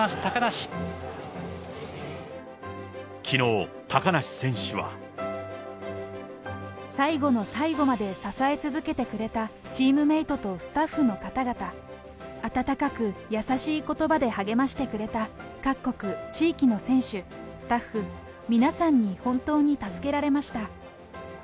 きのう、高梨選手は。最後の最後まで支え続けてくれたチームメートとスタッフの方々、温かく優しいことばで励ましてくれた各国、地域の選手、スタッフ、皆さんに本当に助けられました。